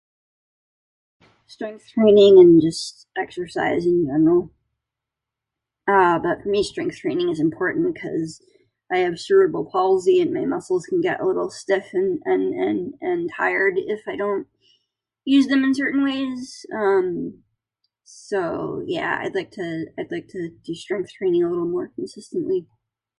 Strength training and just exercising normal. Uh, but for me strength training is important cuz I have cerebral palsy and my muscles can get a little stiff and, and, and tired if I don't use them in certain ways. Um, so, yeah I'd like to, I'd like to do strength training a little more consistently.